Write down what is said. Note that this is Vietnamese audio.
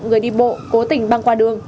người đi bộ cố tình băng qua đường